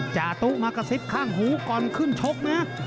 จาตุมากระซิบข้างหูก่อนขึ้นชกนะ